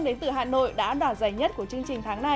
đến từ hà nội đã đoạt giải nhất của chương trình tháng này